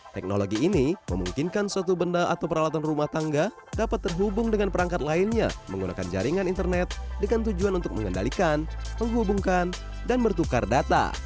teknologi ini memungkinkan suatu benda atau peralatan rumah tangga dapat terhubung dengan perangkat lainnya menggunakan jaringan internet dengan tujuan untuk mengendalikan menghubungkan dan bertukar data